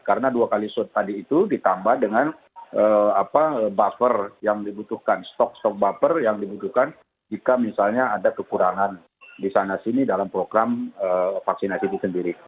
karena dua kali shot tadi itu ditambah dengan buffer yang dibutuhkan stok stok buffer yang dibutuhkan jika misalnya ada kekurangan di sana sini dalam program vaksinasi itu sendiri